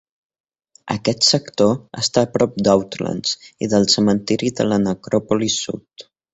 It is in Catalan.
Aquest sector està a prop d'Oatlands i del cementiri de la Necròpolis Sud.